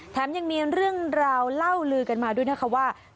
ยังมีเรื่องราวเล่าลือกันมาด้วยนะคะว่า